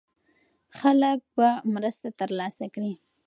خلک به مرسته ترلاسه کړي.